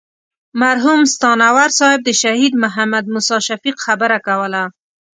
مرحوم ستانور صاحب د شهید محمد موسی شفیق خبره کوله.